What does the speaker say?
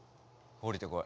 降りてこい。